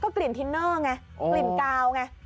กลิ่นทินเนอร์ไงกลิ่นกาวไง